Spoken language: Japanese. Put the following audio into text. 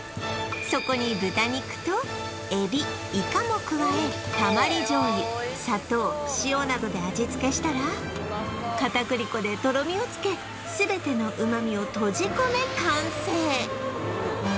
そこに豚肉と海老イカも加えたまり醤油砂糖塩などで味付けしたらかたくり粉でとろみをつけ全ての旨みを閉じ込め完成